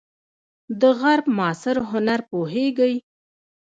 د غرب معاصر هنر پوهیږئ؟